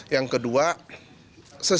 yang kedua sesama sama